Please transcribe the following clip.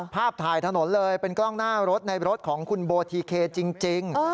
ภาพถ่ายถนนเลยเป็นกล้องหน้ารถในรถของคุณโบทีเคจริง